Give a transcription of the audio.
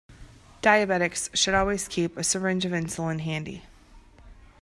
Diabetics should always keep a syringe of insulin handy.